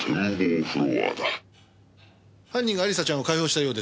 犯人が亜里沙ちゃんを解放したようです。